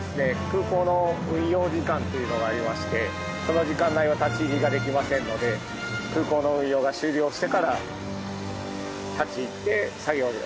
空港の運用時間というのがありましてその時間内は立ち入りができませんので空港の運用が終了してから立ち入って作業を行います。